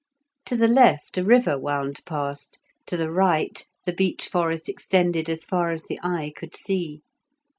To the left a river wound past; to the right the beech forest extended as far as the eye could see.